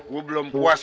gua belum puas